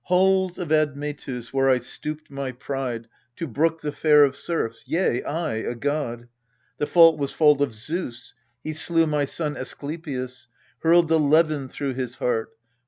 Halls of Admetus, where I stooped my pride To brook the fare of serfs, yea I, a god The fault was fault of Zeus : he slew my son Asklepius hurled the levin through his heart.